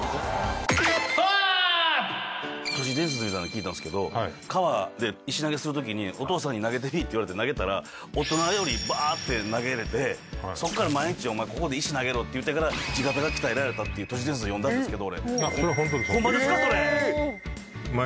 都市伝説みたいの聞いたんですけど、川で石投げするときに、お父さんに投げてみって言われて投げたら、大人よりばーって投げれて、そこから毎日、お前ここで石投げろって言われてから、自肩が鍛えられたっていう都市伝説を読んだんですけど。